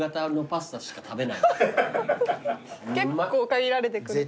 結構限られてくる。